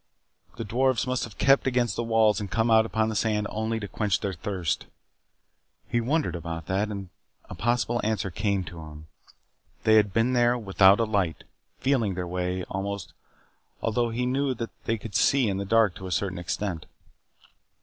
The dwarfs must have kept against the walls and come out upon the sand only to quench their thirst. He wondered about that. And a possible answer came to him. They had been there without a light feeling their way, almost although he knew that they could see in the dark to a certain extent.